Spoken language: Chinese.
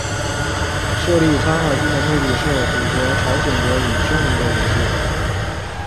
设立苍海郡的目的是阻隔朝鲜国与匈奴的联系。